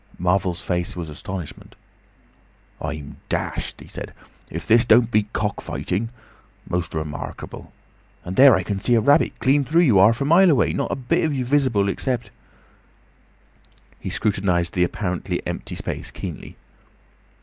Marvel's face was astonishment. "I'm dashed!" he said. "If this don't beat cock fighting! Most remarkable!—And there I can see a rabbit clean through you, 'arf a mile away! Not a bit of you visible—except—" He scrutinised the apparently empty space keenly.